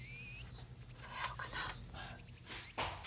そやろかな。